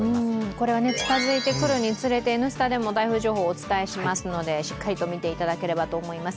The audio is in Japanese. これは近づいてくるにつれて「Ｎスタ」でも、台風情報お伝えしますので、しっかりと見ていただければと思います。